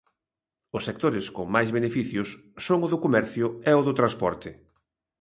Os sectores con máis beneficios son o do comercio e o do transporte.